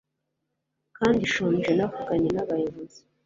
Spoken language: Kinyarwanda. kandi nshonje Navuganye nabayobozi